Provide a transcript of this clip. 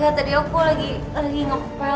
lihat tadi aku lagi lagi ngepel